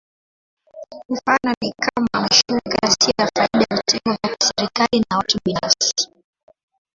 Mifano ni kama: mashirika yasiyo ya faida, vitengo vya kiserikali, na watu binafsi.